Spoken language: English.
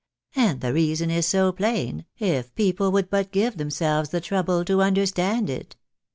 And the reason is so plain, if peojale would but give themselves the trouble to understand it